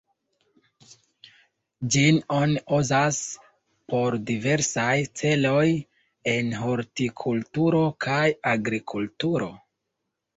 Ĝin oni uzas por diversaj celoj en hortikulturo kaj agrikulturo.